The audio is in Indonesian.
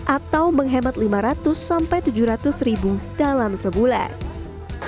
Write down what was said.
atau menghemat rp lima ratus tujuh ratus dalam sebulan